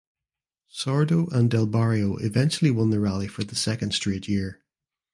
Sordo and del Barrio eventually won the rally for the second straight year.